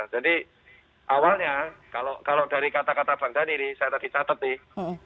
jadi awalnya kalau dari kata kata pak dhani nih saya tadi catet nih